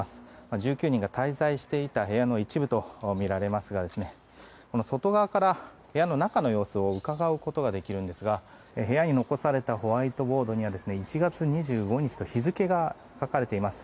１９人が滞在していた部屋の一部とみられますが外側から部屋の中の様子をうかがうことができるんですが部屋に残されたホワイトボードには１月２５日と日付が書かれています。